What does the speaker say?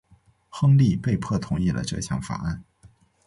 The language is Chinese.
亨利被迫同意了这项法案。